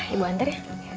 ibu antar ya